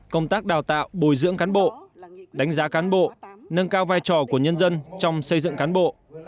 công tác đào tạo bồi dưỡng cán bộ đánh giá cán bộ nâng cao vai trò của nhân dân trong xây dựng cán bộ